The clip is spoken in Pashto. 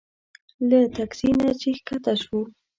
له تکسي نه چې ښکته شوو.